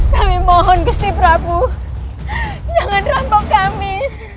kami mohon gusti prabu jangan rampok kami